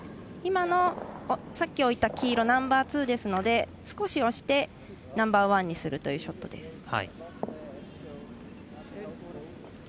今の、さっき置いた黄色ナンバーツーですので少し押してナンバーワンにするというショットです。